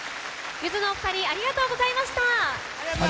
ゆずのお二人ありがとうございました！